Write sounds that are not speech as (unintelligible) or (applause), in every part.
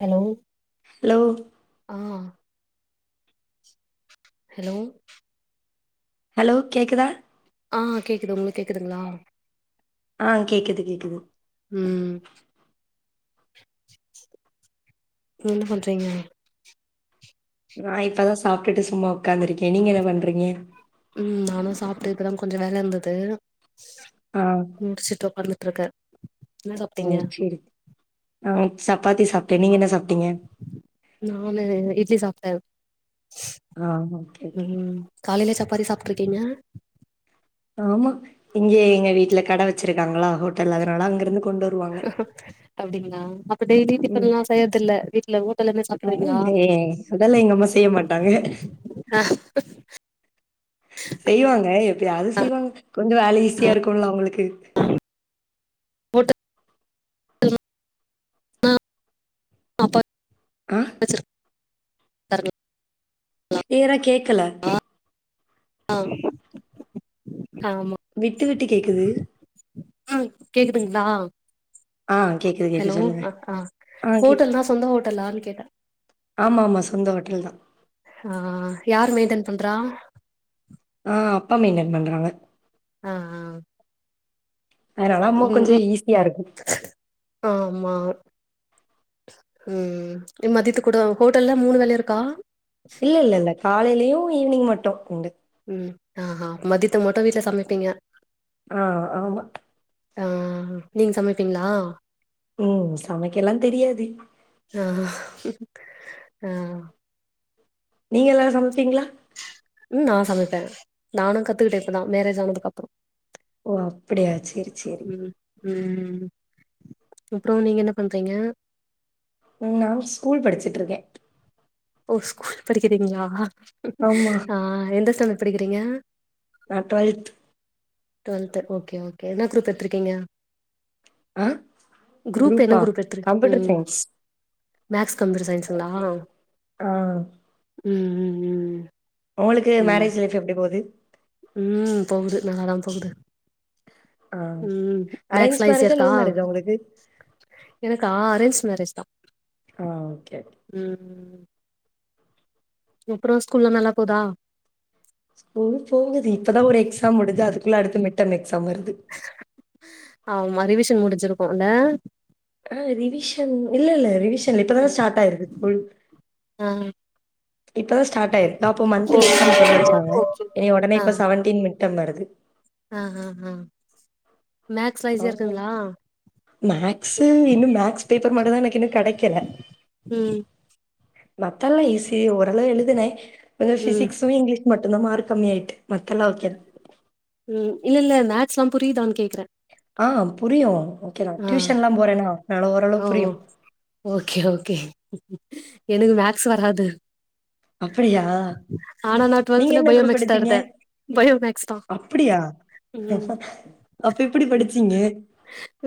Hello hello ஆ hello hello கேக்குதா ஆ கேக்குது உங்களுக்கு கேக்குதுங்ளா ஆ கேக்குது கேக்குது ம் என்ன பண்றீங்க நா இப்பதா சாப்ட்டுட்டு சும்மா உக்காந்துருக்கே நீங்க என்ன பண்றீங்க உ நானு சாப்ட்டு இப்பதா கொஞ்சோ வேல இருந்தது ஆ முடிச்சுட்டு உக்காந்துட்டு இருக்க ஓ செரி ஆ சப்பாத்தி சாப்ட்ட நீங்க என்ன சாப்ட்டீங்க நானு இட்லி சாப்ட்ட ஆ ஓகே ஓகே ம் காலைல சப்பாத்தி சாப்ட்ருக்கீங்க ஆமா இங்க எங்க வீட்ல கடை வச்சிருக்காங்களா ஹோட்டல் அதனால அங்க இருந்து கொண்டு வருவாங்க அப்டிங்ளா இப்ப டெய்லி டி ம் ஃபன்ல்லா செய்றதில்ல வீட்ல ஹோட்டல்லருந்தே ஆ, சாப்ட்ருவீங்ளா ஏ அதெல்லாம் எங்க அம்மா செய்ய மாட்டாங்க ஆஹ செய்வாங்க எப்பயாது செய்வாங்க கொஞ்சோ வேல ஈஸியா இருக்குல்ல அவங்களுக்கு ஓட்ட ஆப்ப ம் வச்சுரு தரணு ஏனா கேக்கல ஆ ஆமா ஆமா விட்டு விட்டு கேக்குது ஆ கேக்குதுங்ளா ஆ கேக்குது ஹலோ கேக்குது சொல்லுங்க ஆ ஆ ஆ கேக் ஹோட்டல்ன்னா சொந்த ஓட்டலான் கேட்டே ஆமா ஆமா சொந்த ஓட்டல் தா ஆ யாரு மெயின்டன் பண்றா ஆ அப்பா மெயின்டென் பண்றாங்க ஆ ஆ அதனாலா அம்மா கொஞ்சோ ம் ஈஸியா இருக்கு ஆமா ம் இ மதியத்துக்கு கூட ஹோட்டல்ல மூணு வேளயு இருக்கா இல்ல இல்ல இல்ல காலையிலயு ஈவி்னிங் மட்டு உண்டு ம் ஆஹா மதியத்து மட்டு வீட்ல சமப்பீங்க ஆ ஆமா ஆ நீங் சமப்பீங்ளா ம் சமைக்கெல்லா தெரியாது ஆ ஆ நீங்கல்லா சமப்பீங்களா ம் நா சமப்பே நானூ கத்துக்கிட்டே இப்பதா மேரேஜ் ஆனதுக்கப்பறோ ஓ! அப்படியா சரி, சரி. ம் ம் அப்றோ நீங்க என்ன பண்றீங்க ம் நாங் ஸ்கூல் படிச்சிட்ருக்கே ஓ ஸ்கூல் படிக்கிறீங்ளா ஆமா. ஆ எந்த ஸ்டாண்டட் படிக்கிறீங்க நா டொல்த் டுவல்த்து ஓக்கே ஓக்கே என்ன குருப் எத்துருக்கீங்க ஆ குரூப் என்ன குரூப்பா? குரூப் எத்துரு கம்ப்யூட்டர் ம் சயின்ஸ். மேக்ஸ் கம்யூட்டர் சயின்ஸ்ங்ளா ஆ ம் ம் ம் ம் உங்களுக்கு மேரேஜ் லைஃப் எப்டி போது ம் போகுது நல்லாதா போகுது ஆ ம் அரேஞ்ச் மேக்ஸ்லா ஈஸியா மேரேஜா, இருக்கா லவ் மேரேஜா உங்களுக்கு? எனக்கு ஆ அரேஞ்ச் மேரேஜ் தா ஆ ஓக்கே ம் அப்றோ ஸ்கூல்லா நல்லா போதா போ போகுது இப்பதா ஒரு எக்ஸாம் முடுது அதுக்குள்ள அடுத்து மிட்டம் எக்ஸாம் வருது ஆமா ரிவிஷன் முடிச்சிருக்கோல்ல ஆ ரிவிஷன் இல்ல இல்ல ரிவிஷன் இப்பதான ஸ்டாட் ஆயிருக்கு கூல் ஆ இப்பதா ஸ்டாட்யிருக்கு அப்ப மந்திலி ஓகே எக்ஸாம் வச்சாங்க ஏ ஒடனே ஆ இப்ப செவன்டின் மிட் டமடுது ஆ ஆ ஆ சைஸா இருக்குங்ளா மேக்ஸு இன்னு மேக்ஸ் பேப்பர் மட்டுதா எனக்கு இன்னு கெடைக்கல ம் மத்தெல்ல ஈசி ஓரள எழுதுனே ஒ ம் ஃபிசி்க்ஸ்சு இங்லீ மட்டுந்தா மார் கம்மி ஆயிட்டு மத்தெல்லா ஓக்கே ம் இல்ல இல்ல மேக்ஸ்ல்லா புரியுதான் கேக்றே ஆ புரியு ஓக்கே தா டியூஷன்ல்லா போறேனா அனால ஓரளவு புரியு ஓக்கே ஓக்கே எனக்கு மேக்ஸ் வராது அப்டியா ஆனா நா நீங்க டுவெல்த்ல என்ன பயோ குரூப் மேக்ஸ் தா எடுத்தீங்க எடுத்தே பயோ மேக்ஸ் தா அப்டியா ம் அப்ப எப்டி ம் படிச்சீங்க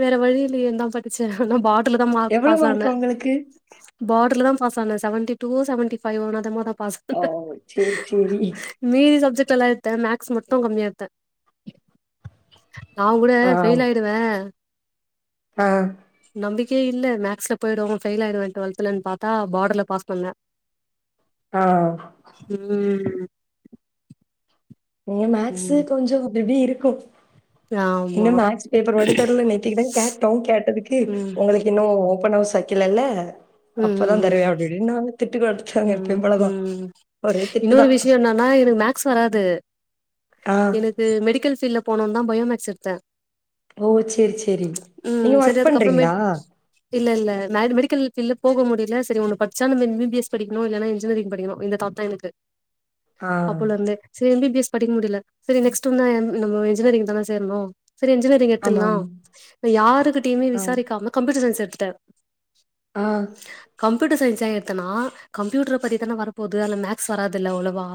வேற வழியில்லயேந்தா படுச்சே ஆனா பாடர்ல்ல தா மார்க் எவ்வளவு பாசானே உங்களுக்கு பாடர்லத பாஸானே செவன்டி டூ ஒ செவண்டி ஃபைவ் ஒ னாதா பாஸ் ஆனே ஆ செரி செரி மீதி சப்ஜெக்ட் எல்லா எடுத்தே மேக்ஸ் மட்டு கம்மியா எடுத்தே நா கூட ஆ ஃபெயில் ஆய்டுவே ஆ நம்பிக்கை இல்ல மேக்ஸ்ல போய்டு ஃபெயில் ஆயிடுவ டுவல்துல்லன் பாத்தா பாடர்ல பாஸ் பண்ணே ஆ ம் ங்க மேக்ஸு ம் கொஞ்சோ அப்டி இப்டி இருக்கு ஆமா இன்னு மேக்ஸ் பேப்பர் மட்டு தரல நேத்திக்கி தா கேட்டோ கேட்டதுக்கு ம் உங்களுக்கு இன்னு ஓபன் ஹவுஸ் வக்கலல்ல ம் அப்பதா ம் தருவே அப்டின்னாங்க திட்டு கொடுத்தாங்க ம் எப்பயு போளதா ஒரே திட்டு தா ந எனக்கு மேக்ஸ் வராது ஆ எனக்கு மெடிக்கல் ஃபீல்ல போனு தா பயோ மேக்ஸ் எடுத்தே ஓ செரி செரி ம் நீங்க சரி ஒர்க் பண்றீங்களா அதுக்கப்புறமேட் இல்ல இல்ல நா மெடிக்கல்பீல்ல போக முடில செரி ஒன்னுபடிச்சா எம் பி பி எஸ் படிக்கணு இல்லனா இன்ஜினியரிங் படிக்கணு இந்த தாட்தா எனக்கு ஆ அப்போலருந்தே செரி எம் பி பி எஸ் படிக்க முடில செரி நெக்ஸ்ட் வந்து நம்ம என்ஜினியரிங் தானே சேரணு சேரி என்ஜினியரிங் ஆமா எடுத்துரலா நா யாருகிட்டயுமே ஆமா ஆ விசாரிக்காம கம்ப்யூட்டர் சயின்ஸ் எடுத்துட்டே ஆ கம்ப்யூட்டர் சயின்ஸ எடுத்தனா கம்ப்யூட்ர பத்தித்தானே வரப்போது அதுல மேக்ஸ் வராதுல்ல அவ்ளோவா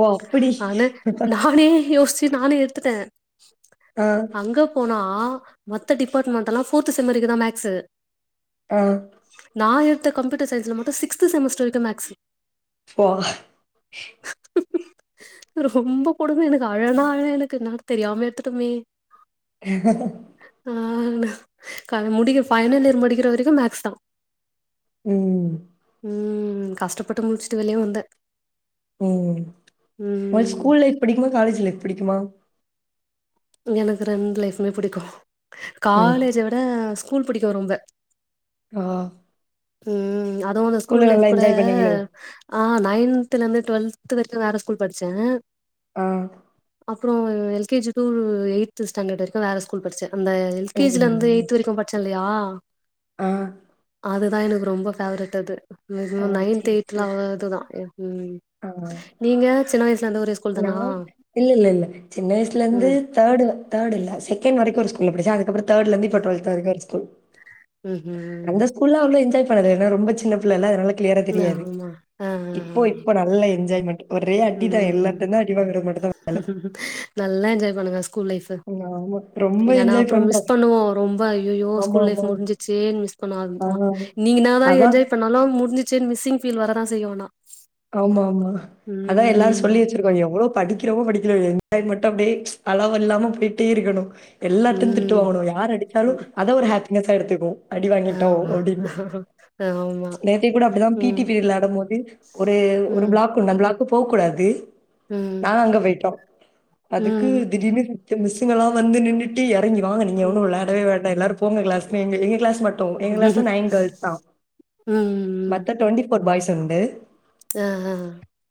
ஓ அப்படி ஆனா நானே யோசிச்சு நானே எடுத்துட்டே ஆ அங்க போனா மத்த டிபார்ட்மெண்ட்க்கு எல்லா ஃபோர்த் செம் வரைக்குதா மேக்ஸு ஆ நா எடுத்த கம்ப்யூட்டர் சயின்ஸ்ல மட்டு சிக்ஸ்த் செமஸ்டர்வரைக்கு மேக்ஸு போ ரொம்ப கொடும எனக்கு அழனா அழ எனக்கு தெரியாம எடுத்துட்டோமே ஆ கால முடி பைனல் இயர் முடிக்கிற வரைக்கு மேக்ஸ் தா ம் ம் கஷ்டப்பட்டு முடிச்சுட்டு வெளிய வந்தே ம் ஒனக்கு ம். ஸ்கூல் லைஃப் பிடிக்குமா காலேஜ் லைஃப் பிடிக்குமா எனக்கு ரெண்டு லைஃபுமே புடிக்கு ம் காலேஜ விட ஸ்கூல் புடிக்கு ரொம்ப ஆ ம் அதுவு அந்த ஸ்கூல் ஸ்கூல்ல லைஃப் நல்லா கூட என்ஜாய் பண்ணீங்களோ ஆ நயன்துலருந்து டுவல்த்து வரைக்கு வேற ஸ்கூல் படிச்சே ஆ அப்றோ L K G to eighth standard வரைக்கு வேற ஸ்கூல் படிச்சே அந்த எல் கே ஜில இருந்து ம் எய்து ஓகே வரைக்கு படிச்சே இல்லயா ஆ அதுதா எனக்கு ரொம்ப ஃபேவ்ரட்டு அது ஆ நைன்த் சேரி சேரி எயிட்லாதுலா அதுதா ஆ நீங்க சின்ன வயஸ்லருந்து ஒரே ஸ் நா இல்ல இல்ல இல்ல சின்ன வயசுலந்து ம். தேர்டு தேர்டு இல்ல செகண்ட் வரைக்கு ஒரு ஸ்கூல படிச்ச அதுக்கப்றோ தேர்ட்லருந்து இப்போ ம். டுவல்த்து வரைக்கு ஒரு ஸ்கூல் ம்ஹ்ம். அந்த ஸ்கூ ல்லா வந்து என்ஜாய் பண்ணதுல ஏனா ரொம்ப சின்ன பிள்ளல்ல அதனால க்ளியரா தெரியாது ஆமா. ஆ, ஆ, இப்போ ஆ. இப்ப நல்லா என்ஜாய்மெண்ட் ஒரே அடிதா ம் எல்லார்ட்டர்ந்து அடிவாங்றது மட்டுந்தா வேல நல்லா என்ஜாய் பண்ணுங்க ஸ்கூல் லைஃப் ஆமா. ரொம்ப ஏனா என்ஜாய் அப்றோ மிஸ் பண்றோம். பண்ணுவோ ரொம்ப அய்யயோ ஸ்கூல் லைஃப் ஆமாமா. முட்ஞ்சிச்சே மிஸ் ஆனா ஆ னா நீங்க என்னாதா அதான் என்ஜாய் பண்ணாலு முடிஞ்சிச்சேனு மிஸ்ஸிங் ஃபீல் வரதா செய்யு ஆனா ஆமா ஆமா அதா எல்லாரு சொல்லி ம் வச்சிருக்கோ எவ்ளோ படிக்றமோ படிக்கலய்யோ என்ஜாய் மட்டு அப்டியே அளவல்லாம பொய்டே இருக்கணு எல்லாட்யு திட்டு ம் வாங்கணு யார் அடிச்சாலு ம் அத ஒரு ஹாப்பினஸ்ஸா எடுத்துக்குவோ அடி வாங்கிட்டோ ஆமா அப்டின்னு ஆமா நேத்தைக் கூட அப்டிதா பீட்டி ம் பீர்யட்ல வெளாடும்போது ஒரு ஒரு ம் பிளாக்குண்டு அந்த பிளாக்கு போக்கூடாது ம் நாங்க அங்க பெய்ட்டோ அதுக்கு ம் திடீர்னு ஃபிஃப்த்து மிஸ்ஸுங்கல்லா வந்து நின்னுட்டு எறங்கி வாங்க நீங்க ஒன்னு ம் வெளாடவே வேண்டா எல்லாருப் போங்க க்ளாஸ் எங்க எங்க க்ளாஸ் மட்டு எங்க க்ளாஸ்ல நைன் கேர்ல்ஸ் தா ம் மத்த ட்வண்ட்டி ஒரு பாய்ஸ் உண்டு அ அ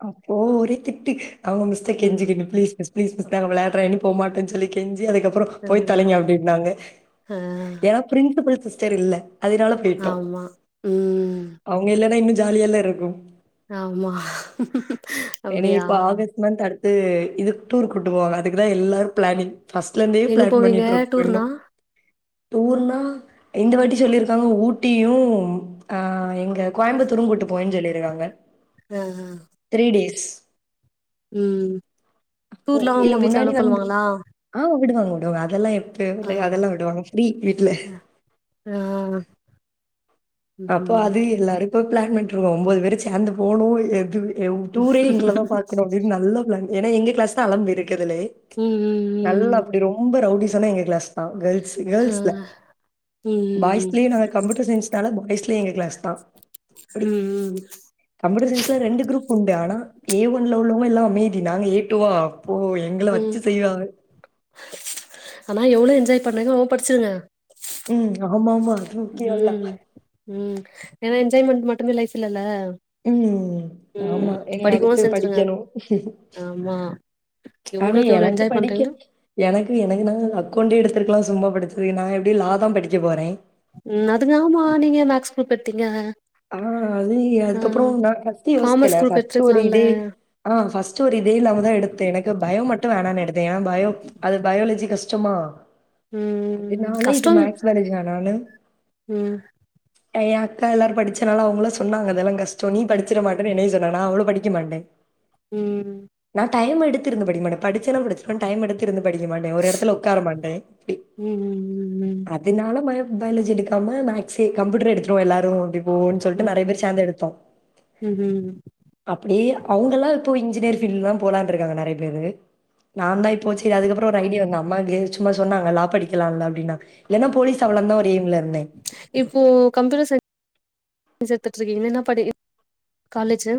அப்போ ஒரே திட்டு அவுங்க மிஸ்ட்ட ம் கெஞ்சிக்கேட்ட ப்ளீஸ் மிஸ் ப்ளீஸ் மிஸ் நாங்க வெளையாட்றோ இனி போமாட்டேன் சொல்லி கெஞ்சி அதுக்கப்றோ ஆ போய் தொலைங்க அப்டின்னாங்க ஆ ஏனா ப்ரின்சிபில் சிஸ்டர் இல்ல அதுனால பெய்டோ ஆமா ம் அவுங்க இல்லன்னா இன்னு ஜாலியால்ல இருக்கு ஆமா இனி இப்ப அப்டியா ஆகஸ்ட் மந்த் அடுத்து இதுக் டூர் கூட்டு போவாங்க அதுக்குதா எல்லாரு ப்ளானிங் ஃபஸ்ட்லந்தே எங்க ப்ளான் போவீங்க பண்ணிட்ருக்கு ரெண்டு டூர்னா டூர்னா இந்த வாட்டி சொல்லிருக்காங்க ஊட்டியு அ இங்க கோயம்புத்தூரு கூட்டு போவேன் சொல்லிருக்காங்க அ ஹ த்ரீ டேஸ் ம் டூர்லா ஒங்க வீட்ல அலோ பன்னுவாங்ளா அ விடுவாங்க விடுவாங்க அதெல்லா எப்பயு அதெல்லா விடுவாங்க ஃப்ரீ வீட்ல அ அப்போ அது எல்லாருக்கு ப்ளான் பண்ட்ருக்கோ ஒம்போது பேரு சேந்து போணு எது டூரே எங்ள தா பாக்கணு அப்டின் நல்ல ப்ளான் ஏனா எங்க க்ளாஸ் தா அளம்பு இருக்கதுலே ம் ம் ம் நல்லா அப்டி ரொம்ப ரவுடிசன்னா எங்க க்ளாஸ் அ கேர்ள்ஸ் ஆ கேர்ள்ஸ்ல ம் பாய்ஸ்லயே நாங்க கம்யூட்டர் சயின்ஸ்னால (unintelligible) எங்க க்ளாஸ் தா அப்பிடி ம் ம் கம்ப்யூட்டர் சயின்ஸ்ல ரெண்டு குரூப்புண்டு ஆனா ஏ ஒன்ல உள்ளவங்கல்லா அமைதி நாங்க ஏ டூவா அப்போ எங்கள ம் வச்சு செய்வாங்க ஆனா எவ்ளோ என்ஜாய் பண்ரிங்ளோ அவ்ளோ பட்ச்சிடுங்க ம் ஆமா ஆமா ம் ம் ஏன்னா என்ஜாய்மண்ட் மட்டுமே லைஃப்ல்ல ம் ஆமா இனி அடுத்தது செஞ்சிருங்க படிக்கணு ஆமா ஆனா எவ்ளோக்கு எவ்ளோ எனக்கு என்ஜாய் படிக்க பண்றீங்களோ எனக்கு எனக்கு நா அக்கௌண்ட் எடுத்துருக்கலா சும்மா படிச்சததுக்கு நா எப்டியு லா தா படிக்க போற ம் அதுங்க ஆமா நீங்க ஏய மேக்ஸ் க்ரூப்பெடுத்தீங்க அ அது அதுக்கப்பற நா ஃபஸ்ட்டு யோசிக்கல காமர்ஸ் சோ குரூப் எதாச்சு ஒரு எடுத்துருக்கலால்ல இது அ ஃபஸ்ட் ஒரு இதே இல்லாமதா எடுத்த எனக்கு பயோ மட்டு வேணான்னு எடுத்தே ஏனா பயோ அது பயாலஜி கஷ்டமா ம் அதுனால இட்டு கஷ்டம் மேக்ஸ் பயாலஜி வேணான்னு ம் எய அக்கா எல்லார் படிச்சனால அவுங்களா சொன்னாங்க அதெல்லா கஷ்ட நீ ம் படிச்சிற மாட் அப்பற என்னய சொன்னாங்க நா அவ்ளோ படிக்க மாட்ட ம் நா டைம் எடுத்திருந்த படிக்க மாட்ட படிச்சனா படிச் அப்பற டைம் எடுத்து இருந்து படிக்க மாட்ட ஒரு எடத்துல ஒக்கார மாட்ட அப்டி ம் ம் ம் ம் அதுனால பய பயாலஜி எடுக்காம மேக்ஸே கம்ப்யூட்டர் எடுத்துருவோ எல்லாரு அப்டின் போவோன் சொல்லிட்டு ம் நெறைய பேர் சேந்து எடுத்தோ ம்ஹ்ம் அப்டி அவங்க எல்லா இப்போ இன்ஜினியர் ஃபீல்டுதா போலான்னு இருக்காங்க நெறைய பேரு நா தா இப்போ செரி அதுக்கப்பற ஒரு ஐடியா வந்து அம்மாக்கே சும்மா சொன்னாங்க லா படிக்கலாம்ல அப்டீன்னாங்க இல்லன்னா போலீஸ் ஆவலாந்தா ஒரு எய்ம்ல இருந்த இப்போ கம்ப்யூட்டர் சயின்ஸ் எடுத்துட்டு இருக்கீங்களே என்ன படி காலேஜு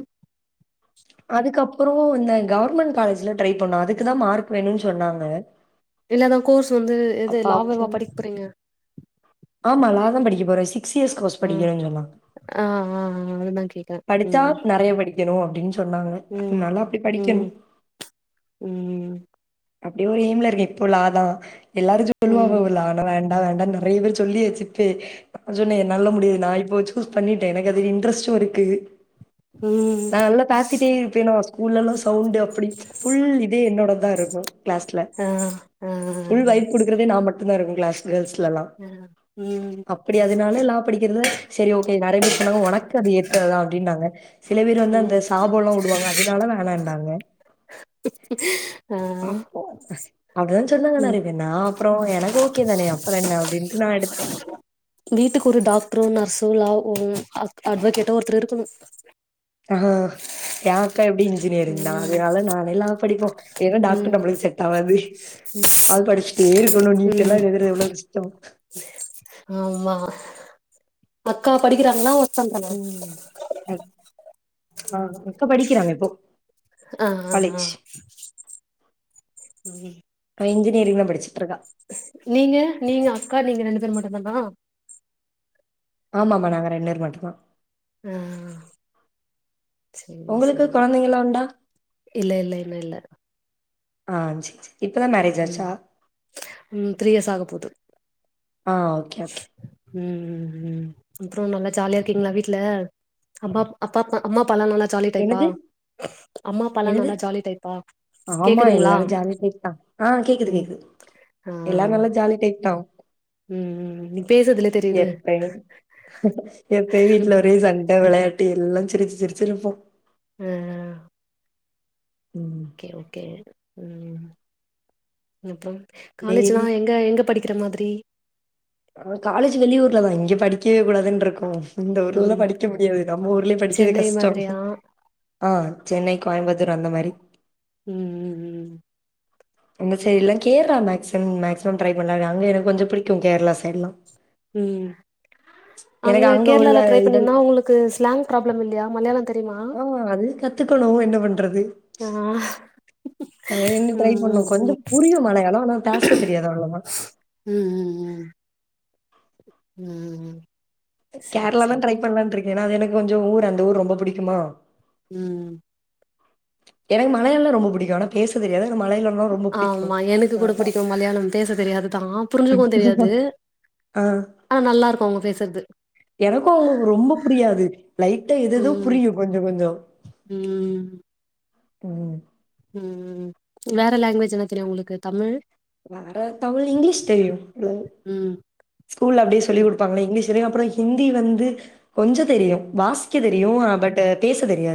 அதுக்கப்பறோ இந்த கவர்மண்ட் காலேஜ்ல ட்ரை பண்ணோ அதுக்குதா மார்க் வேன்னு சொன்னாங்க இல்லன்னா கோர்ஸ் வந்து எது அப்ப லா அப்போ வாவா படிக்க போறீங்க ஆமா லாதா படிக்க போற சிக்ஸ் இயர்ஸ் கோர்ஸ் படிக்கறன்னு சொன்னா ஆ ஆ ஆ அதுதா கே படிச்சா நெறைய படிக்கணு அப்டினு சொன்னாங்க ம் அதனால அப்டி படிக்கணு ம் ம் அப்டி ஒரு எய்ம்ல இருக்க இப்போ லா தா எல்லாரு சொல்லுவாங்க ம் லா லா வேண் லா வேண்டானு நெறைய பேர் சொல்லியாச்சு இப்பயே அப்ப சொன்ன என்னாலலா முடியாது நா இப்போ சூஸ் பண்ணிட்ட எனக்கு அது இன்ட்ரஸ்டு இருக்கு ம் நா நல்லா பாசிகிட்டு இருப்பன்னா ஸ்கூல்ல எல்லா சவுண்டு அப் அப்டி ஃபுல் இதே என்னோடதுதா இருக்கு கிளாஸ்ல ஆ ஆ ஃபுல் ஆ வைய்ப் குடுத் க்ரதே நா மட்டுந்தா இருக்கு கிளாஸ் கேள்ஸ்லலா ஆ. ம் அப்டி அதனால லா படிக்கிறது சேரி ஓகே நெறைய பேர் சொன்னாங்க ஒனக்கு அது ஏத் ததுதா அப்டின்னாங்க சில பேர் வந்து அந்த ம் சாபோலா வுடுவாங்க அதுனால வேண்டாணான்னாங்க ஓ அப்டிதா சொன்னாங்க நெறய பேர் நா அப்றோ எனக்கு ஓகே தானே அப்றோ என்ன அப்டீன்ட்டு நா எடுத்த வீட்டுக்கு ஒரு டாக்டரோ நர்ஸோ லாவோ அட் அட்வகேட்டோ ஒருத்தர் இருக்கணு அஹா எய அக்கா எப்டியு இன்ஜினியரிங் தா ம் அதனால நானே லா படிப்போ ஏன்னா டாக்டர் ம் நமக்கு செட் ஆவாது அது படிச்சுட்டே இருக்கன்னு நீட்டு எல்லா ம் எழுதுறது எவ்ளோ கஷ்டோ ஆமா அக்கா படிக்கிறாங்களா ஓர்க் உ ஆ அக்கா படிக்குறாங்க இப்போ ஆ ஆ ஆ காலேஜ். (unintelligible) அவ இன்ஜினியரிங்தா படிச்சிட்ருக்கா நீங்க நீங்க அக்கா நீங்க ரெண்டு பேரு மட்டுந்தானா ஆமா ஆமா நாங்க ரெண்டு பேர் மட்டுந்தா ம் செரி உங்களுக்கு செரி குழந்தைங்கலாம் உண்டா? இல்ல இல்ல இல்ல இல்ல ஆ செரி செரி இப்பதா மேரேஜ் ம் ஆச்சா ம் த்ரீ இயர்ஸ் ஆக போது ஆ ஓகே ஓகே ம் ம் ம் அப்றோ நல்லா ஜாலியா இருக்கீங்ளா வீட்ல அம்மா அப்பா அம்மா அம்மா அப்பா எல்லா நல்லா ஜாலி டைப்பா என்னது அம்மா அப்பா எல்லா என்னது? நல்லா ஜாலி டைப்பா ஆமா கேக்குதுங்களா எல்லாரு ஜாலியா டைப் தா ஆ கேக்குது ம் கேக்குது ஆ எல்லாரு நல்லா ஜாலி டைப்தா ம் ம் நீ பேசுறதுலே தெரியுது எப்பயு எப்பயு வீட்ல ஒரே சண்ட வெளயாட்டு எல்லா சிரிச்சு சிரிச்சிருப்போ ஆ ஆ ஆ ம் ஓகே ஓகே ம் அப்ப காலேஜ்லா டெய்லி எங்க எங்க படிக் கிற மாதிரி ஆ காலேஜ் வெளியூர்ல தா இங்க படிக்கவே கூடாதுன்னு இருக்கோ இந்த ஊர்லா ம் படிக்க முடியாது நம்ம ஊர்லயே படிக்கது சென்னை கஷ்டோ மாதிரியா ஆ சென்னை கோயம்புத்தூர் அந்த மாரி ம் ம் அந்த சைடுல்ல கேராள மேக்சிமம் மேக்சிமம் ட்ரை பண்ணலா அங்க எனக்கு கொஞ்சோ புடிக்கு கேரளா சைட் எல்லா ம் எனக்கு அங்க உள்ள கேரளால ட்ரை இதல் பண்ணீங்கன உங்களுக் கு ஸ்லாங் ப்ராப்ளம் இல்லையா மலையாளம் தெரியுமா ம் அது கத்துக்கணு என்ன பண்றது ஆ அது என்ன ட்ரை ம் பண்ணு ம் கொஞ்சோ புரியு மழையாளோ ஆனா பேச தெரியாது அவ்ளோதா ம் ம் ம் ம் ம் சரி கேரளா தா சரி ட்ரை பண்ணலா இருக்கேன்ன்னா அது எனக்கு கொஞ்சோ ஊர் அந்த ஊர் ரொம்ப புடிக்குமா ம் எனக்கு மலையாலல்லாம் ரொம்பிடிக்கும் ஆன பேச தெரியாது மலையால ஆமா எனக்கு கூட புடிக்கும் மலையாளம் பேச தெரியாதுதான் புரிஞ்சுக்கவும் தெரியாது ஆ ஆனா நல்லா இருக்கும் அவங்க பேசுறது எனக்கும் ரொம்ப புரியாது லைட்டா எதோ எதோ ம் புரியும் கொஞ்சம் கொஞ்சம் ம் ம் ம் வேற லாங்குவேஜ் என்ன தெரியும் உங்களுக்கு தமிழ் வேற தமிழ் இங்கிலீஷ் தெரியும் ம் ஸ்கூல்ல அப்படியே சொல்லி கொடுப்பாங்க இங்கிலீஷ்வரைக்கும் அப்புறம் ஹிந்தி வந்து கொஞ்சம் தெரியும் வாஸ் படிக்க ம் தெரியும் பட் பேச தெரியாது